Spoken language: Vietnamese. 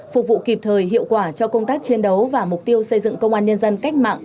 phục vụ kịp thời hiệu quả cho công tác chiến đấu và mục tiêu xây dựng công an nhân dân cách mạng